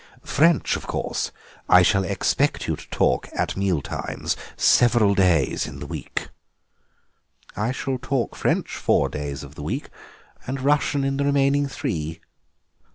French, of course, I shall expect you to talk at meal times several days in the week." "I shall talk French four days of the week and Russian in the remaining three."